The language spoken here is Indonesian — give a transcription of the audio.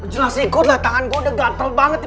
jelas ikut lah tangan gue udah gatel banget